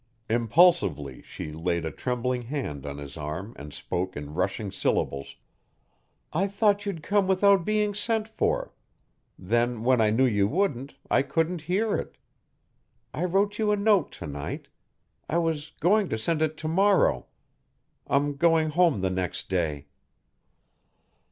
Impulsively she laid a trembling hand on his arm and spoke in rushing syllables. "I thought you'd come without being sent for then when I knew you wouldn't, I couldn't hear it. I wrote you a note to night.... I was going to send it to morrow.... I'm going home the next day."